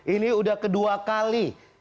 ini sudah kedua kali